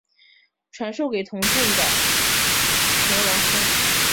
传授给同郡的田王孙。